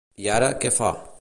I ara, què fa?